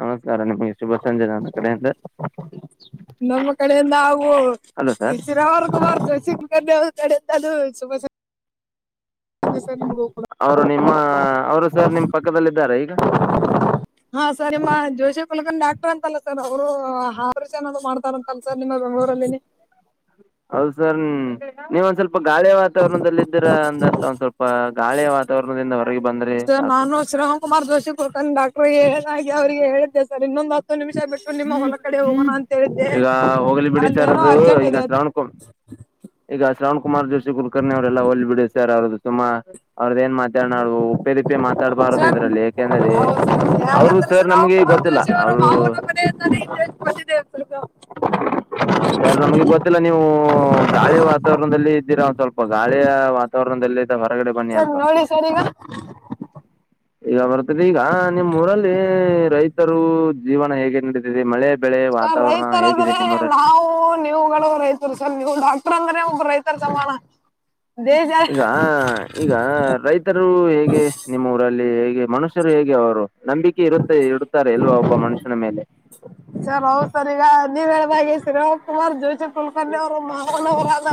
ನಮಸ್ಕಾರ ನಿಮಗೆ ಶುಭ ಸಂಜೆ ನನ್ನ ಕಡೆ ಇಂದ. ನಮ್ಮ ಕಡೆಯಿಂದ ಹಾವು ಹಲೋ ಸರ್ [unintelligible] [unintelligible] ಅವರು ನಿಮ್ಮ ಅವರು ಸರ್ ನಿಮ್ಮ ಪಕ್ಕದಲ್ಲಿದ್ದಾರೆ ಈಗ. ಹಾ ಸರ್ ನಿಮ್ಮ ಜೋಶಿ ಕುಲಕಣ್ ಡಾಕ್ಟರ್ ಅಂತಲ್ಲ ಸರ್ ಅವರು ಹಾರ್ಷ ಏನಾದ ಮಾಡ್ತಾರಂತಲ್ಲ ಸರ್ ನಿಮ್ಮ ಬೆಂಗಳೂರಲ್ಲಿ ಹೌದ ಸರ್ ನೀವ ಒಂದ ಸ್ವಲ್ಪ ಗಾಳಿ ವ ವಾತಾವರಣದಲ್ಲಿದ್ದೀರಾ ಅಂದತ್ತ ಒಂದ ಸ್ವಲ್ಪ ಗಾಳಿಯ ವಾತಾವರಣದಿಂದ ಹೊರಗೆ ಬಂದ್ರೆ ಸರ್ ಸಾಕು. ನಾನು ಶ್ರೀರಾಮ್ ಕುಮಾರ್ ದೋಷಿ ಕುಲಕರ್ಣಿ ಡಾಕ್ಟರ್ ಏನಾಗಿ ಅವರಿಗೆ ಹೇಳದ್ದೆ ಸರ್ ಇನ್ನೊಂದ ಹತ್ತು ನಿಮಿಷ ಬಿಟ್ಟು. ನಿಮ್ಮ ಹೊಲ ಕಡೆ ಹೋಗೋಣ ಅಂತ ಹೇಳಿದ್ದೆ ಈಗ ಹೋಗ್ಲಿ ಬಿಡಿ ಸರ್ ಅಲ್ಲೇನೋ ಅದು ಅರ್ಜೆಂಟ್ ಇದೆ. [unintelligible] ಈಗ ಶ್ರವಣ್ ಕುಮಾರ್ ಜೋಶಿ ಕುಲಕರ್ಣಿ ಅವರೆಲ್ಲ ಹೊಲಿ ಬಿಡ ಸರ್ ಅವ್ರದ ಸುಮ್ಮ ಅವ್ರದ ಏನ್ ಮಾತ ಯ ನಾವು ಉಪ್ಪೇರಿಪ್ಪೆ ಮಾತಾಡಬಾರದ ಸರ್ ಇದ್ರಲ್ಲಿ ಯಾಕೆಂದ್ರೆ ಅವರು ಯಾರಂದ್ರೆ ಸರ್ ಶ್ರೀರಾಮ್ ನಮ್ಗೆ ಕುಮಾರ್ ಗೊತ್ತಿಲ್ಲ. ಜೋಶಿ ಅವರ ಅವ್ರು [unintelligible] [unintelligible] ಸರ್ ನಮ್ಗೆ ಗೊತ್ತಿಲ್ಲ ನೀವು ಗಾಳಿ ವಾತಾವರಣದಲ್ಲಿದ್ದೀರಾ ಒ ಸ್ವಲ್ಪ ಗಾಳಿಯ ವಾತಾವರಣದಲ್ಲಿ ಹೊರಗಡೆ ಬನ್ನಿ ಸರ್ ಅಲ್ವಾ. ನೋಡಿ ಸರ್ ಈಗ ಇವಾಗ ಬರ್ತದ ಈಗ ನಿಮ್ಮ ಊರಲ್ಲಿ ರೈತರು ಜೀವನ ಹೇಗೆ ನಡ ಮಳೆ ಬೆಳೆ ಸರ್ ವಾತಾವರಣ ರೈತರ ಹೇಗಿದೆ ಅಂದ್ರೆ ನಿಮ್ಮರಲ್ಲ ನಾವು ನೀವುಗಳು ರೈತರು ಸರ್ ನೀವ ಡಾಕ್ಟರ್ ಅಂದ್ರೆ ಒಬ್ಬ ರೈ ಇದಾ ಈಗ ರೈತರು ಹೇಗೆ ನಿಮ್ಮ ಊರಲ್ಲಿ ಹೇಗೆ ಮನುಷ್ಯರು ಹೇಗೆ ಅವರು ನಂಬಿ. ಕೆ ಇರುತ್ತೆ ಇಡುತ್ತಾರ ಇಲ್ವಾ ಒಬ್ಬ ಮನುಷ್ಯನ ಮೇಲೆ. [inaudible] ಸರ್ ಹೌ ಸರ್ ಈಗ ನೀವ ಹೇಳದಾಗೆ ಶ್ರೀರಾಮ್ ಕುಮಾರ್ ಜೋಶಿ ಕುಲಕರ್ಣಿ ಅವರು ಮಹನವರಾದ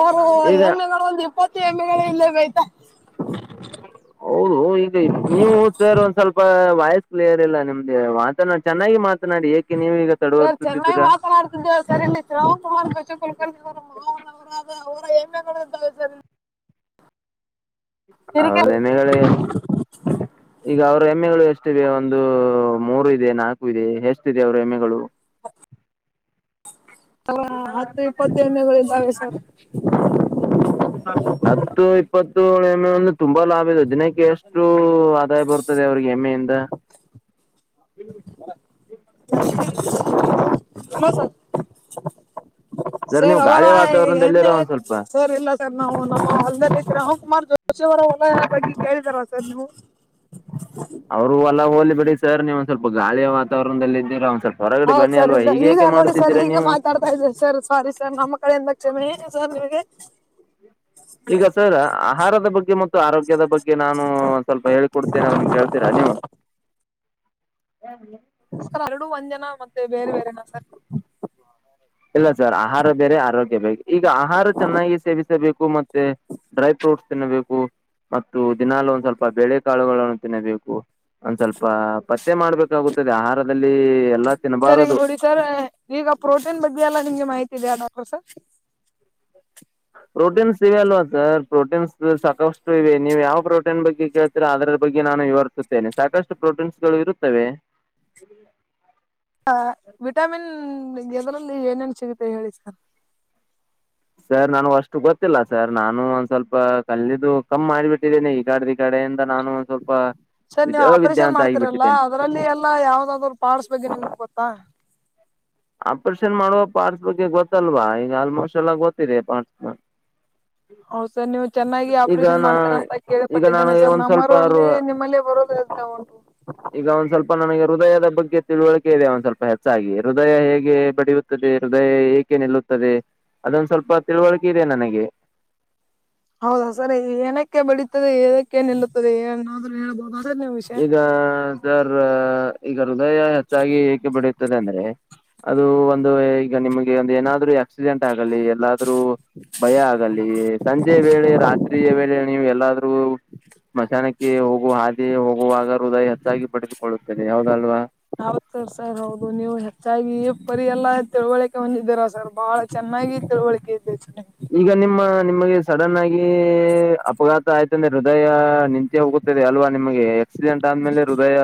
ಓ ಈಗ ಎಮ್ಮೆಗಳ ಒಂದ ಇಪ್ಪತ್ತು ಎಮ್ಮೆಗಳ ಇಲ್ಲೇ ಮೆಯ್ತಾ. ಹೌದು ಈಗ ನೀವು ಸರ್ ಒಂದ ಸ್ವಲ್ಪ ವಾಯ್ಸ್ ಕ್ಲಿಯರ್ ಇಲ್ಲ ನಿಮ್ದ ಮಾತ ಚೆನ್ನಾಗಿ ಮಾತನಾಡಿ ಎ ಕೆ ನೀವೀಗ ಸರ್ ಚೆನ್ನ ಮಾತನಾಡ [unintelligible] ತಿರುಗಿ- ಹೋದೆನ ಹೇಳಿ. [inaudible] ಈಗ ಅವ್ರ ಹಎಮ್ಮೆಗಳು ಎಷ್ಟಿದೆ ಒಂದ ಮೂರ ಇದೆ ನಾಲ್ಕ ಇದೆ ಎಷ್ಟಿದೆ ಅವ್ರ ಹೆಮ್ಮೆಗಳು. ತವ ಹತ್ತ ಇಪ್ಪತ್ತ ಎಮ್ಮೆಗಳಿದ್ದಾವೆ ಸರ್. ಹತ್ತು ಇಪ್ಪತ್ತಳ ಎಮ್ಮೆ ಅಂದ ತುಂಬಾ ಲಾಭ ಇದೆ ದಿನಕ್ಕೆ ಎಷ್ಟು ಆದಾಯ ಬರ್ತದೆ ಅವ್ರಿಗೆ ಎಮ್ಮೆ ಇಂದ ಹಲೋ ಸರ್. ಸರ್ ನೀವು ಅವರ ಗಾಳಿ ವಾತಾವರಣದಲ್ಲಿರೋ ಎಮ್ಮೆ ಒಂದ್ ಸ್ವಲ್ಪ ಸರ್ ಇಲ್ಲ ಸರ್ ನಾವು ನಮ್ಮ ಹೊಲ್ದಲ್ಲಿ [unintelligible] ಜೋಶಿ ಅವರ ಹೊಲ ಬಗ್ಗೆ ಕೇಳ್ತಾರ ಸರ್ ನೀವು. [inaudible] ಅವರು ಹೊಲ ಹೋಲಿ ಬಿಡಿ ಸರ್ ನೀವು ಒಂದ ಸ್ವಲ್ಪ ಗಾಳಿಯ ವಾತಾವರಣದಲ್ಲಿದ್ದರ ಒಂದ್ ಸ್ವಲ್ಪ ಹೊರಗಡೆ ಹೌದ್ ಬನ್ನಿ ಅಲ್ವಾ ಈಗೇಕ ಮಾಡುತ್ತಿದ್ದೀರಾ ನೀವು. ಸರಿ ಸರ್ ಸಾರೀ ಸರ್ ನಮ್ಮ ಕಡೆಯಿಂದ ಕ್ಷಮೆ ಸರ್ ನಿಮಗೆ ಈಗ ಸರ ಆಹಾರದ ಬಗ್ಗೆ ಮತ್ತು ಆರೋಗ್ಯದ ಬಗ್ಗೆ ನಾನು ಸ್ವಲ್ಪ ಹೇಳಿಕೊಡ್ತನ ಅದನ್ನ ಕೇಳ್ತೀರಾ ನೀವ. [unintelligible] ಎರಡು ಒಂದೇನಾ ಮತ್ತೆ ಬೇರೆ ಬೇರೆನ ಸರ್. ಇಲ್ಲ ಸರ್ ಆಹಾರ ಬೇರೆ ಆರೋಗ್ಯ ಬೇರೆ ಈಗ ಆಹಾರ ಚೆನ್ನಾಗಿ ಸೇವಿಸಬೇಕು ಮತ್ತೆ. ಡ್ರೈ ಫ್ರೂಟ್ಸ್ ತಿನ್ನಬೇಕು ಮತ್ತು ದಿನಾಲ ಒಂದ ಸ್ವಲ್ಪ ಬೆಳೆ ಕಾಳುಗಳನ್ನು ತಿನ್ನಬೇಕು. ಒಂದ ಸ್ವಲ್ಪ ಪತ್ತೆ ಮಾಡ್ಬೇಕಾಗುತ್ತದೆ ಆಹಾರದಲ್ಲಿ. ಎಲ್ಲಾ ಸರ್ ಈಗ ತಿನ್ನಬಾರದು ನೋಡಿ ಸರ್ ಈಗ ಪ್ರೋಟೀನ್ ಬಗ್ಗೆ ಎಲ್ಲ ನಿಮ್ಗೆ ಮಾಹಿತಿ ಇದೇನ ಸರ್. ಪ್ರೋಟೀನ್ಸ್ ಇವೆ ಅಲ್ವಾ ಸರ್ ಪ್ರೋಟೀನ್ಸ್ ಸಾಕಷ್ಟು ಇವೆ ನೀವು ಯಾವ ಪ್ರೋಟೀನ್ ಬಗ್ಗೆ ಕೆ ಅದರ ಬಗ್ಗೆ ನಾನು ವಿವರಿಸುತ್ತೇನೆ ಸಾಕಷ್ಟು ಪ್ರೋಟೀನ್ಸಗಳು ಇರುತ್ತವೆ. ಅ ವಿಟಾಮಿನ್ ಗಿದ್ರಲ್ಲಿ ಏನೇನ್ ಸಿಗತ್ತೆ ಹೇಳಿ ಸರ್. ಸರ್ ನಾನು ಅಷ್ಟು ಗೊತ್ತಿಲ್ಲ ಸರ್ ನಾನು ಒಂದ ಸ್ವಲ್ಪ ಕಲ್ಲಿದ್ದು ಕಮ್ಮ ಮಾಡಿಬಿಟ್ಟಿದ್ದಿನೆ ಈಗಾಡ ಕಡೆಯಿಂದ ನಾನು ಸ್ವಲ್ಪ ಸರ್ ನೀವು ಅವಿದ್ಯಾ ಆಪರೇಷನ್ ಅಂತ ಮಾಡ್ತಿರಲ್ಲ ಆಗಿಬಿಟ್ಟಿದ್ದೀನಿ. ಅದರಲ್ಲಿ ಎಲ್ಲ ಯಾವ್ದಾದ್ರು ಪಾರ್ಟ್ಸ್ ಬಗ್ಗೆ ನಿಮಗ ಗೊತ್ತಾ. ಆಪರೇಷನ್ ಮಾಡು ಪಾರ್ಟ್ಸ್ ಬಗ್ಗೆ ಗೊತ್ತಲ್ವಾ ಈಗ ಆಲ್ಮೋಸ್ಟ್ ಎಲ್ಲ ಗೊತ್ತಿದೆ ಪಾರ್ಟ್ಸ್ಡ್. ಹೌ ಸರ್ ನೀವ ಚೆನ್ನಾಗಿ ಈಗ ಆಪರೇಷನ್ ನಾ ಮಾಡ್ತರ ಅಂತ ಈಗ ಕೇಳ್ಪಟ್ಟಿದ್ದೇನೆ ನನಗೆ ಸರ್ ಒಂದ್ ಸ್ವಲ್ಪ ನಮ್ಮರಲ್ಲಿ ನಿಮ್ಮಲ್ಲಿ ಬರೋದ ಹೆಚ್ಚು. [inaudible] ಈಗ ಒಂದ್ ಸ್ವಲ್ಪ ನನಗೆ ಹೃದಯದ ಬಗ್ಗೆ ತಿಳುವಳಿಕೆ ಇದೆ ಒಂದ ಸ್ವಲ್ಪ ಹೆಚ್ಚಾಗಿ ಹೃದಯ ಹೇಗೆ ಬಡೆಯುತ್ತದೆ ಹೃದಯ ಏಕೆ ನಿಲ್ಲುತ್ತ ಪ ತದೆ ಅದೊಂದ ಸ್ವಲ್ಪ ತಿಳುವಳಿಕೆ ಇದೆ ನನಗೆ ಹೌದಾ ಸರ ಏನಕ್ಕೆ ಬೆಳೀತದೆ ಏನಕ್ಕೆ ನಿಲ್ಲುತ್ತದೆ ಏನಾದ್ರು ಹೇಳ್ಬೋದ. ಈಗ ಸರ್ ಈಗ ಹೃದಯ ಹೆಚ್ಚಾಗಿ ಏಕೆ ಬೆಡೆಯುತ್ತದೆ ಅಂದ್ರೆ ಅದು ಒಂದ ಈಗ ನಿಮ್ಗೆ ಒಂದ ಏನಾದ್ರು ಯಾ ಆಕ್ಸಿಡೆಂಟ್ ಆಗಲಿ ಎಲ್ಲಾದ್ರೂ ಭಯ ಆಗಲಿ ಸಂಜೆ ವೇಳೆ ರಾತ್ರಿಯ ವೇಳೆ. ನೀವ ಎಲ್ಲಾದ್ರೂ ಮಶಾನಕ್ಕೆ ಹೋಗು ಹಾದಿಯ ಹೋ ಹೂವಾಗ ಹೃದಯ ಹೆಚ್ಚಾಗಿ ಪಡೆದುಕೊಳ್ಳುತ್ತದೆ ಹೌದಲ್ವಾ. ಆರುತ್ತೆ ಸರ್ ಹೌದು ನೀವ ಹೆಚ್ಚಾಗಿ ಪರಿ ಎಲ್ಲ ತಿಳುವಳಿಕೆ ಹೊಂದಿದ್ದೀರಾ ಸರ್ ಬಹಳ ಚೆನ್ನಾಗಿ ತಿಳುವಳಿ [unintelligible] ಈಗ ನಿಮ್ಮ ನಿಮಗೆ ಸಡನ್ ಆಗಿ ಅಪಘಾ ಆಯ್ತಂದ್ರೆ ಹೃದಯ ನಿಂತೆ ಹೋಗುತ್ತದೆ ಅಲ್ವಾ ನಿಮ್ಗೆ ಆಕ್ಸಿಡೆಂಟ್ ಆದ್ಮೇಲೆ ಹೃದಯ.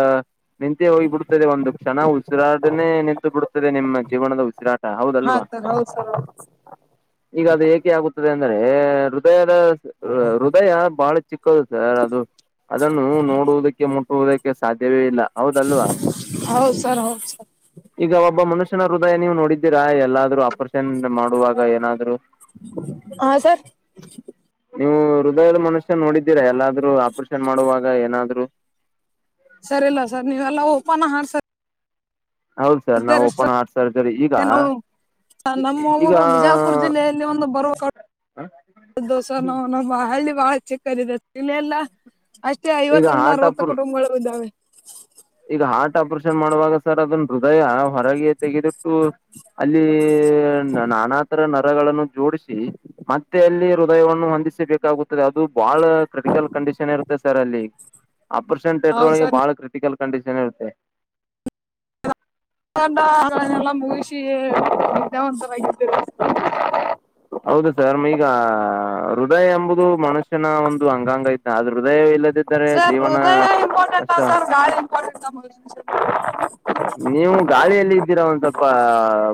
ನಿಂತೇ ಹೋಗಿಬಿಡ್ತದೆ ಒಂದು ಕ್ಷಣ ಉಸಿರಾಟನೆ ನಿಂತು ಬಿಡ್ತದೆ ನಿಮ್ಮ ಜೀವನದ ಉಸಿರಾಟ ಹೌದಲ್ವಾ. ಹೌದ ಸರ್ ಹಾ ಈಗ ಅದ ಏಕೆ ಆಗುತ್ತದೆ ಅಂದ್ರೆ ಹೃದಯದ ಹೃದಯ ಬಾಳ ಚಿಕ್ಕದು ಸರ್ ಅದು ಅದನ್ನು ನೋಡುವುದಕ್ಕೆ ಮು ಹೋಗಕ್ಕೆ ಸಾಧ್ಯವೇ ಇಲ್ಲ ಹೌದಲ್ವಾ. ಹೌದ್ ಸರ್ ಹೌದ್ ಸರ್ ಈಗ ಒಬ್ಬ ಮನುಷ್ಯನ ಹೃದಯ ನೀವು ನೋಡಿದ್ದೀರಾ ಎಲ್ಲಾದ್ರೂ ಆಪರೇಷನದ ಮಾ ವಾಗ ಏನಾದ್ರು ಹಾ ಸರ್ ನೀವು ಹೃದಯದ ಮನು ನೋಡಿದ್ದೀರಾ ಎಲ್ಲಾದ್ರು ಆಪರೇಷನ್ ಮಾಡುವಾಗ ಏನಾದ್ರು. ಸರಿ ಇಲ್ಲ ಸರ್ ನೀವೆಲ್ಲಾ ಓಪನ್ ಹಾಡ್ ಹೌದು ಸರ್ ನಾವು [unintelligible] ಓಪನ್ ಹಾರ್ಟ್ ಸರ್ಜರಿ ಈಗ ನಮ್ಮ ಈಗ ಊರು ಬಿಜಾಪುರ ಜಿಲ್ಲೆಯಲ್ ಹಿಂದೆ ಮುಂದೆ ಬರುವ ಸಾಗು! [inaudible] ಇದು ಸಿಮ್ ಅವನೊಬ್ಬ ಅಲ್ಲಿ ಬಾಲ ಚಿಕ್ಕವನು ಇಲ್ಲ ಇಲ್ಲ! [inaudible] ಅದಕ್ಕೆ ಈಗ ಐವತ್ತರಿಂದ ಹಾರ್ಟ್ ಆಪರ್ ಅರವತ್ತು ಡುಮ್ಮುಗಳು ಇವೆ. [inaudible] ಈಗ ಹಾರ್ಟ್ ಆಪರೇಷನ್ ಮಾಡುವಾಗ ಸರ್ ಅದನ್ ಹೃದಯ ಹೊರಗೆ ತೆಗೆದಿಟ್ಟು? [inaudible] ಅಲ್ಲಿ ನಾನಾ ತರ ನರಗಳನ್ನು ಜೋಡಿಸಿ. [inaudible] ಮತ್ತೆ ಅಲ್ಲಿ ಹೃದಯವನ್ನು ಹೊಂದಿಸಿಬೇಕಾಗುತ್ತದೆ! ಅದು ಬಹಳ ಕ್ರಿಟಿಕಲ್ ಕಂಡೀಷನ್ ಇರುತ್ತೆ ಸರ್ ಅಲ್ಲಿ. [inaudible] [unintelligible] [inaudible] ಆಪರೇಷನ್ ಥೇಟರ್ ಹೌದು ಒಳಗೆ ಸರ್ ಬಹಳ ಕ್ರಿಟಿಕಲ್ ಕಂಡೀಷನ್ ಇರುತ್ತೆ.. [inaudible] ಓನಂದ ಅದನ್ನೆಲ್ಲ ಮುಗಿಸಿ ಒಂತರಾ ಆಗ್ಬಿಟ್ಟಿ... [unintelligible] ಹೌದು ಸರ್ ಈಗ ಹೃದಯ ಎಂಬುದು ಮನುಷ್ಯನ! ಒಂದು ಅಂಗಾಂಗ ಐತೆ ಆದ್ರ ಹೃದಯ ಇಲ್ಲ. ಸರ್ ಹೃದಯ ಇಂಪಾರ್ಟೆಂಟ್! ಗಾಳಿ ಇಂಪಾರ್ಟೆಂಟ್ ಮನುಷ್ಯನ ಜನ್ಮಕ್ಕೆ? [unintelligible] ನೀವು ಗಾಳಿಯಲ್ಲಿ ಇದ್ದೀರ! ಒಂದ್ ಸ್ವಲ್ಪ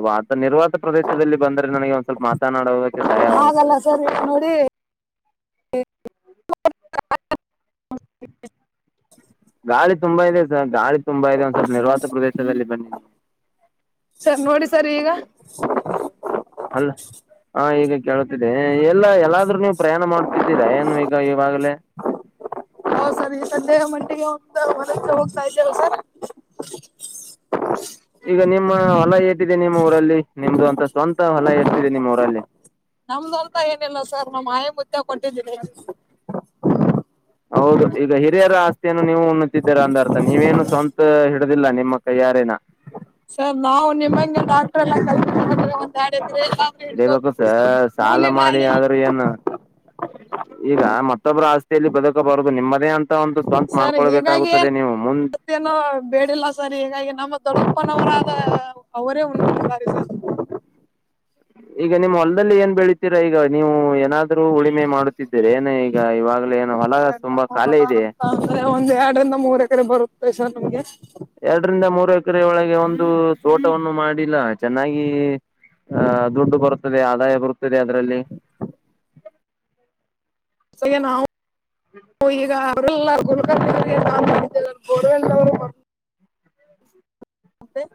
ವತ ನಿರ್ವಾತ ಪ್ರದೇಶದಲ್ಲಿ ಬಂದರೆ ನನಗೆ ಒಂದ್ ಸ್ವಲ್ಪ ಮಾತನಾಡುವುದಕ್ಕೆ? [unintelligible] ಹಾಗಲ್ಲ ಸರಿ ನಾಡಿ. [unintelligible] ಗಾಳಿ ತುಂಬಾ ಇದೆ ಸರ್ ಗಾಳಿ ತುಂಬಾ ಇದೆ. [unintelligible] ಸ್ವಲ್ಪ ನಿರ್ವತ ಪ್ರದೇಶದಲ್ಲಿ ಬನ್ನಿ ನೀವು ಸರ್ ನೋಡಿ ಸರ್ ಈಗ ಹಲ್ಲೋ.. [unintelligible] ಅಲ್ಲ ಹಾ ಈಗ... [unintelligible] ಕೇಳುತ್ತಿದೆ ಎಲ್ಲಿ ಎಲ್ಲಾದ್ರಲ್ಲೂ! ನೀವು ಪ್ರಯಾಣ ಮಾಡ್ತಿದ್ದೀರಾ ಏನು ಈಗ ಈವಾಗ್ಲೇ? [unintelligible] ಹೌದು ಸರ್ ಈ ಸಂಡೆ ಮಂಟ್ಟಿಗೆ! ಒಂದು ಹೊಲ ಹೋಗ್ತಾ ಇದ್ದೇಲ್ಲ ಸರ್. [unintelligible] [unintelligible] [inaudible] ಈಗ ನಿಮ್ಮ ಹೊಲ ಎಷ್ಟಿದೆ? ನಿಮ್ಮ ಊರಲ್ಲಿ ನಿಮ್ದು ಅಂತ ಸ್ವಂತ ಹೊಲ ಎಷ್ಟಿದೆ ನಿಮ್ಮ ಊರಲ್ಲಿ? [unintelligible] ನಮ್ದು ಅಂತ ಏನಿಲ್ಲ ಸರ್ ನಮ್ಮ್ ಆಯ ಮುುತ್ತ ಕೊಟ್ಟಿದ್ದೀನಿ. [inaudible] ಹೌದು ಈಗ ಹಿರಿಯರ ಆಸ್ತಿಯನ್ನು ನೀವು ಉಣುತ್ತಿದ್ದೀರಾ! ಅಂದ ಅರ್ಥ ನೀವೇನು ಸ್ವಂತ ಹಿಡಿದಿಲ್ಲ ನಿಮ್ಮ ಕೈ ಯಾರೇನ? [inaudible] ಸರ್ ನಾವು ನಿಮಂಗೆ ಡಾಕ್ಟ್ರ ಎಲ್ಲ ಕಲ್ತಿರಂಗಡಿದ್ರೆ? [unintelligible] ಇಡಿಬೇಕು ಸರ್ ಸಾಲ ಮಾಡಿ ಆದ್ರೆ ಏನ್? [unintelligible] ಈಗ ಮತ್ತೊಬ್ರು ಆಸ್ತಿಯಲ್ಲಿ ಬದುಕೋಬಾರದು ನಿಮ್ಮದೇ? [unintelligible] ನಿಮ್ಧೇ ಒಂದು ಸ್ವಂತ ಮಾಡ್ಕೊಳ್ಬೇಕಾಗುತ್ತದೆ ನೀವು ಮುಂದು. [unintelligible] ಮತ್ತೇನು ಬೇಡಿಲ್ಲ ಸರ್ ಹೀಗಾಗಿ ನಮ್ಮ ದೊಡ್ಡಪ್ಪನವರಾದ ಅವರೇ ಉಸ್ತುವಾರಿ ಸರ್. [unintelligible] ಈಗ ನಿಮ್ ಹೊಲ್ದಲ್ಲಿ ಏನ್ ಬೆಳೀತೀರಾ ಈಗ ನೀವು ಏನಾದ್. [inaudible] ಇಬ್ರು ಉಳುಮೆ ಮಾಡುತ್ತಿದ್ದರೆ! ನಾನು ಈಗ ಇವಾಗಲೇ ಏನೋ ಹೊಲ ಸರ್ ತುಂಬಾ ನಮ್ಮ ಖಾಲಿ ಹೊಲ ಇದೆ. [inaudible] ಅಂತ ಅಂದ್ರೆ ಒಂದ್ ಎರಡರಿಂದ ಮೂರು ಎಕರೆ ಬರುತ್ತೆ ಸರ್ ನಮ್ಗೆ. [unintelligible] ಎರಡರಿಂದ ಮೂರು ಎಕರೆ ಒಳಗೆ ಒಂದು ತೋಟವನ್ನು ಮಾಡಿಲ್ಲ ಚೆನ್ನಾಗಿ? [unintelligible] ಆ ದುಡ್ಡು ಬರ್ತದೆ! ಆದಾಯ ಬರ್ತದೆ ಅದರಲ್ಲಿ. [inaudible] ಹೇ ನಾವು ನಾವು ಈಗ! [unintelligible] ಹೇ ಇಲ್ಲ ಗುರುಗಳು ಬರುವಾಗ ನಾವು ಏನ್ ಬೇಕಾದ್ರು.. [unintelligible]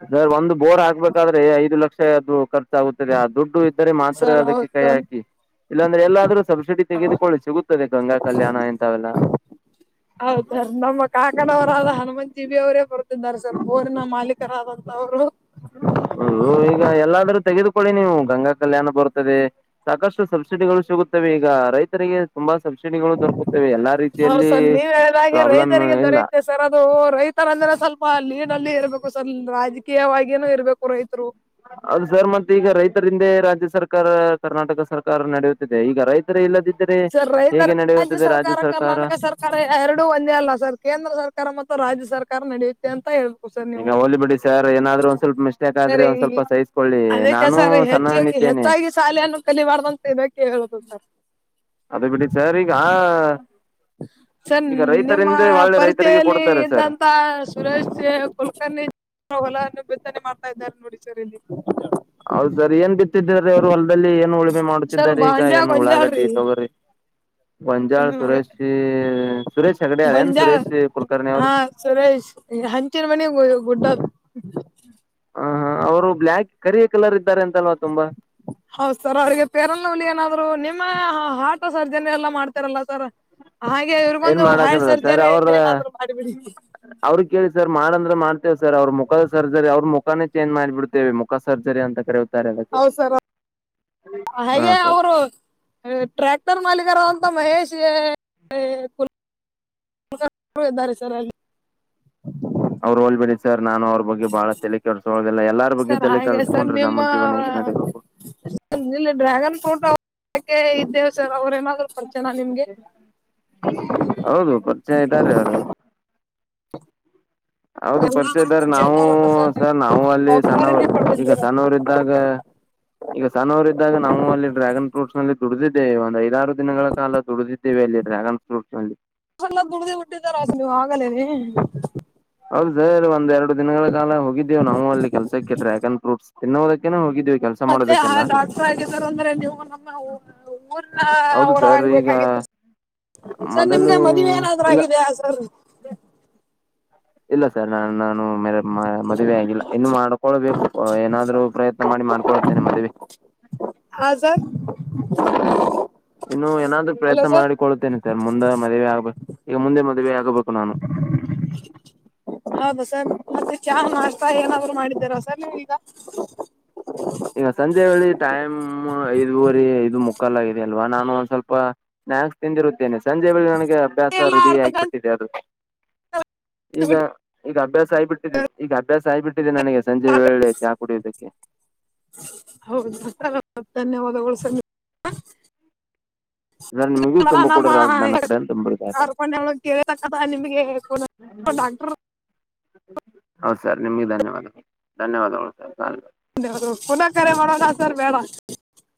ಹೇ ಒಂದು ಬೋರ್ ಹಾಕ್ಬೇಕಾದ್ರೆ! ಐದು ಲಕ್ಷ ಅದು ಕರ್ಚು ಆಗುತ್ತದೆ ಆ ದುಡ್ಡು ಇ. [inaudible] ಇದ್ದರೆ ಮಾತ್ರ ಸರ್ ಅದಕ್ಕೆ ಹೌದು ಕೈ ಸರ್ ಹಾಕಿ? [unintelligible] ಇಲ್ಲಾಂದ್ರೆ ಎಲ್ಲಾದ್ರೂ ಸಬ್ಸಿಡಿ ತೆಗೆದುಕೊಳ್ಳಿ ಸಿಗುತ್ತದೆ ಗಂಗಾ ಕಲ್ಯಾಣ ಇಂಥವಲ್ಲ. [inaudible] [inaudible] [unintelligible] ಹೌದ ಸರ್ ನಮ್ಮ ಕಾಕಡವರಾದ ಹನುಮಂತ್ ಜಿಬಿ ಅವರೇ ಬರ್ತಿದ್ದಾರೆ ಸರ್ ಊರಿನ ಮಾಲೀಕರಾದಂತವ್ರು. [unintelligible] ಹ ಈಗ ಎಲ್ಲಾದ್ರೂ ತೆಗೆದುಕೊಳ್ಳಿ ನೀವು ಗಂಗಾ ಕಲ್ಯಾಣ ಬರುತ್ತದೆ. [unintelligible] ಸಾಕಷ್ಟು ಸಬ್ಸಿಡಿಗಳು ಸಿಗುತ್ತವೆ ಈಗ ರೈತರಿಗೆ? [inaudible] ತುಂಬಾ ಸಬ್ಸಿಡಿಗಳು ದೊರಕುತ್ತವೆ! ಎಲ್ಲಾ ಹೌದು ರೀತಿಯಲ್ಲಿ ಪ್ರಾಬ್ಲಮ್ ಇಲ್ಲ. [inaudible] ಇತರದ್ದು ರೈತರ ಅಂದರೆ ಸ್ವಲ್ಪ ಲೀಡ್ಲ್ಲಿ ಇರ್ಬೇಕು ಸರ್! ರಾಜಕೀಯವಾಗನೂ ಇರ್ಬೇಕು ಸರ್ ರೈತರು. [inaudible] ಅದು ಸರ್ ಮತ್ತೆ ಈಗ ರೈತರಿಂದೆ ರಾಜ್ಯ ಸರ್ಕಾರ ಕರ್ನಾಟಕ ಸರ್ಕಾರ ನಡೆಯುತ್ತಿದೆ ಈಗ ರೈತ. [inaudible] ಇತರೆಯಿಂದ ಬಿದ್ದರೆ ಸರ್ ಹೇಗೆ ನಡೆಯುತ್ತೆ ರಾಜ್ಯ ಸರ್ಕಾರ? [inaudible] ಸರ್ ಎರಡು ಒಂದೇ ಅಲ್ಲ ಸರ್ ಕೇಂದ್ರ ಸರ್ಕಾರ ಮತ್ತು ರಾಜ್ಯ ಸರ್ಕಾರ ನಡೆಯುತ್ತೆ ಅಂತ ಹೇಳ [inaudible] [unintelligible] ಈಗ ಹೋಲಿ ಬಿಡಿ ಸರ್ ಏನಾದ್ರು ಒಂದ್ ಸ್ವಲ್ಪ ಮಿಸ್ಟೇಕ್ ಆದ್ರೆ ಸರಿ ಒಂದ್ ಸ್ವಲ್ಪ ಸಹಿಸಕೊಳ್ಳಿ ಅದಕ್ಕೆ ನಾನು ಸರ್ ಹೆಚ್ಚಾಗಿ ಸಣ್ಣವ್ಣಿದ್ದೇನೆ. [inaudible] ಹೆಚ್ಚಾಗಿ ಶಾಲೆಯನ್ನು ಕಲಿ ಬಡದಂತ ಇದಕ್ಕೆ ಹೇಳುದು ಸರ್ [inaudible] ಅದೇ ಬಿಡಿ ಸರ್ ಈಗಾ? [inaudible] ಸರ್ ನಿಮ್ಮ ಒಳ್ಳೆ ರೈತರಿಗೆ ಪರಿಚಯಲ್ಲಿ ಕೊಡ್ತಾರೆ ಸರ್ ಇದ್ದಂತ [inaudible] ಸುರೇಶ್ ಕಲ್ಕರ್ನಿ ಹೊಲವನ್ನು ಬಿತ್ತನೆ ಮಾಡ್ತಾ ಇದ್ದಾರೆ ನೋಡಿ ಸರ್ ಇಲ್ಲಿ. [inaudible] ಹೌದ ಸರ್ ಏನ್ ಬಿತ್ತಿದ್ದರೀ ಅವ್ರು ಹೊಲದಲ್ಲಿ ಏನ್ ಉಳುಮೆ ಮಾಡ್ತಿದಿದ್ದಾರೆ ಈಗ ಏನ್ ಉಳಾಗಡ್ಡಿ, ತಗೋರಿ, [inaudible] [unintelligible] ಹ [inaudible] ಗೊನಜಾಳ್ ಸುರೇಶಿ ಸುರೇಶ ಹೆಗಡೆ ಅಲ್ಲ ಗೊಂಜಾ ಸುರೇೇಶ ಕುಲಕರ್ಣಿ ಅವರು. ಹಾ [inaudible] ಸುರೇಶ್ ಈ ಹಂಚಿನ ಮನಿ ಗುಡ್ಡದ [inaudible] ಹ ಹ ಅವ್ರು ಬ್ಲ್ಯಾಕ್ ಕರಿಯ ಕಲರ್ ಇದ್ದಾರೆ ಅಂತಲ್ವಾ ತುಂಬಾ? [inaudible] ಹೌದ ಸರ್ ಅವರಿಗೆ ಪೇರನಲವ್ಲಿ ಏನಾದ್ರು ನಿಮ್ಮ ಹಾರ್ಟ್ ಸರ್ಜನೆ ಎಲ್ಲಾ ಮಾಡ್ತಾರಲ್ಲ ಸರ್. [inaudible] ಹಾಗೆ ಏನ್ ಇವರಗೊಂದ ಹಾರ್ಟ್ ಮಾಡಕಲ್ಲ ಸರ್ ಸರ್ಜರಿ ಅವ್ರ ಏನಾದ್ರು ಮಾಡಬಿಡಿ. [inaudible] ಅವ್ರ ಕೇಳಿ ಸರ್ ಮಾಡಂದ್ರ ಮಾಡ್ತೇವ ಸರ್ ಅವ್ರ ಮುಖದ ಸರ್ಜರಿ ಅವ್ರ ಮುಖನೇ ಚೇಂಜ್ ಮಾಡಿಬಿಡ್ತ [inaudible] ವೆ ಮುಖ ಸರ್ಜರಿ ಅಂತ ಕರೆಯುತ್ತಾರೆ. ಅದಕ [inaudible] ಹೌದ ಸರ್. [inaudible] ಹಾಗೆ ಸರ್ ಅವರು ಟ್ರ್ಯಾಕ್ಟರ್ ಮಾಲೀಕರ ಅಂತ ಮಹೇಶ್ ಕುಲ್ [inaudible] ಯಾವತ್ತೂ ಹೋಗ ಬೇಡಿ ಸರ್ ಅಲ್ಲಿ. [inaudible] [unintelligible] ಅವ್ರು ಹೋಲೀಬಿಡಿ ಸರ್ ನಾನು ಅವ್ರರು [inaudible] ಬಗ್ಗೆ ಬಹಳ ತಲೆ ಕೆಡ್ಸೋಳದೆಲ್ಲ ಎಲ್ಲಾರ ಬಗ್ಗೆ ಸರ್ ತಲೆ ಹಾಗೆ ಕೆಡ್ಸ್ಕೊಂಡ್ರ ನಮ್ಮ ಜೀವನ ಹೇಗೆ ನಡೀಬೇಕು. [inaudible] ನಿಲ್ ಡ್ರ್ಯಾಗನ್ ಫ್ರೂಟ್ ಇದ್ದೇವೆ ಸರ್ ಅವ್ರ ಏನಾದ್ರು ಪರ್ಚೆನ ನಿಮ್ಗೆ. [inaudible] [inaudible] [unintelligible] ಹೌದು ಪರಿಚಯ ಇದ್ದಾರೆ ಅವರು. [inaudible] ಹೌದು ಪರಿಚಯ ಎಲ್ಲಾದ್ರೂ ಇದ್ದಾರೆ ನಾವು ಇದ್ದಾರಲ್ಲ ಸರ್ ನಾವು ನೀವು ಅಲ್ಲಿ ಪಾಪ್ಕಾರ್ನ್ ಸಣ್ಣವರು ಈಗ ಕೊಟ್ಟಿದ್ದೀರ ಸಣ್ಣವರು ಇದ್ದಾಗ? [inaudible] ಈಗ ಸಣ್ಣವರ ಇದಾಗ ನಾವು ಅಲ್ಲಿ ಡ್ರ್ಯಾಗನ್ ಫ್ರೂಟ್ಸ್ ನಲ್ಲಿ ದುಡಿದಿದ್ದೇ ಒಂದು ಐದಾರು ದಿನಗಳ ಕಾಲ ದುಡಿದ [inaudible] ಕೇಳ ಇಲ್ಲಿ ಡ್ರ್ಯಾಗನ್ ಫ್ರೂಟ್ಸ್ ಅಲ್ಲಿ. [inaudible] ಚನ್ನಾಗ ದುಡ್ಡಿದು ಬಿಟ್ಟಿದೀರಾ ಸರ್ ನೀವು ಆಗಲೇ ನೀ [inaudible] [unintelligible] ಹೌದ ಸರ್ ಒಂದ್ ಎರಡು ದಿನಗಳ ಕಾಲ ಹೋಗಿದ್ದೇವು ನಾವು ಅಲ್ಲಿ ಕೆಲಸಕ್ಕೆ ಡ್ರ್ಯಾಗನ್ ಫ್ರೂಟ್ಸ್. [inaudible] ಇನ್ನೂರಕ್ಕೆೇ ಹೋಗಿದ್ದೀವಿ ಕೆಲಸಕ್ಕ. [inaudible] ಮತ್ತೆ ಆ ಡಾಕ್ಟರ್ ಆಗಿದಾರ ಅಂದ್ರೆ ನೀವು ನಮ್ಮ ಓ [inaudible] ಅ ಊರ್ನ ಹೌದು ಅವರ ಸರ್ ಈಗ ಆಗಬೇಕಾಗಿತ್ತು ಸ [inaudible] ಸರ್ ನಿಮಗ್ ಮೊದಲು ಮದುವೆ ಏನಾದರೂ ಇಲ್ಲ ಆಗಿದೆಯ ಸರ್. [inaudible] ಇಲ್ಲ ಸರ್ ನಾನ ನಾನು ಮ ಮದುವೆ ಆಗಿಲ್ಲ ಇನ್ನು ಮಾಡ್ಕೊಳ್ಬೇಕು ಏನಾದ್ರು ಪ್ರಯತ್ನ ಮಾಡಿ ಮಾಡ್ಕೊಳ್ [inaudible] ಅಕಿನ ಮದುವೆ. [inaudible] ಹಾ ಸರ್? [inaudible] ಇನ್ನು ಏನಾದರೂ ಹಲೋ ಪ್ರಯತ್ನ ಸರ್ ಮಾಡಿಕೊಳ್ತೇನೆ ಸರ್ ಮುಂದೆ ಮದುವೆ ಆಗ್ಬೇಕ ಈಗ ಮುಂದೆ ಮದ್ವೆ ಆಗಬೇಕು ನಾನು? [inaudible] ಹೌದು ಸರ್ ಮತ್ತೆ ಚಾ ನಾಸ್ಟ್ ಏನಾದ್ರು ಮಾಡಿದ್ದೀರ ಸರ್ ನೀವ ಈಗ. [inaudible] ಈಗ ಸಂಜೆ ವೇಳಿ ಟೈಮ್ ಐದುವರಿ ಐದು ಮುಕ್ಕಾಲ ಆಗಿದ್ದೆ ಅಲ್ವಾ ನಾನು ಒಂದ್ ಸ್ವಲ್ಪ. [inaudible] ಸ್ನ್ಯಾಕ್ಸ್ ತಿಂದಿರುತ್ತೇನೆ ಸಂಜೆ ಬಳಿ ನನಗೆ ಅಭ್ಯಾಸ ಎಲ್ಲ ರೂಢಿಯ ಅರ್ಧ ಗಂಟೆ ಆಗಿಬಿಟ್ಟಿದೆ ಅದು. [inaudible] ಈಗ ಬಿಟ್ಟು ಈಗ ಅಭ್ಯಾಸ ಆಗಬಿಟ್ಟಿದೆ ಈಗ ಅಭ್ಯಾಸ ಆಗಬಿಟ್ಟಿದೆ ನನಗೆ [inaudible] ಸಂಜೆ ವೇಳೆ ಚಾ ಕುಡಿಯುದಕ್ಕೆ. [inaudible] ಹೌದು ಧನ್ಯವಾದಗಳು ಸರ್ ನಿಮ್ಗೆ. ಸರ್ ನಿಮಗೂ ತುಂಬ [inaudible] ಕೂಡ ನಮ್ಮ ನನ್ನ ಕಡೆಯಿಂದ ತುಂಬಿರುತ್ತಾ ಅರ್ಕೊಂಡಳ ಕೇಳಕ್ಕ ನಿಮಗೆ ಪೋನ್ [inaudible] [unintelligible] ಡಾಕ್ಟರ್. [inaudible] ಹೌದು ಸರ್ ನಿಮ್ಗೆ ಧನ್ಯವಾದ ಧನ್ಯವಾದಗಳು ಸರ್ ನ [inaudible] [unintelligible] ನ ಕ ಮಾಡೋದ ಸರ್ ಬೇಡ